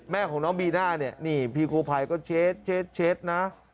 แม่ของน้องบีน่าเนี่ยนี่พี่กูภัยก็เช็ดนะ